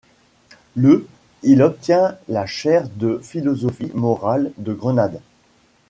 Le il obtient la chaire de philosophie morale de Grenade.